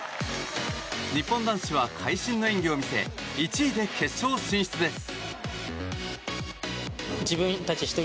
日本男子は会心の演技を見せ１位で決勝進出です。